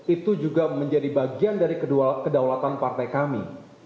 itu juga menjadi bagian dari kedua kedaulatan partai kami